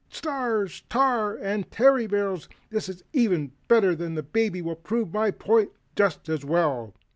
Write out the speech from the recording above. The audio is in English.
Stars! Tar and Tarrybarrels! This is even better than the baby and will prove my point just as well."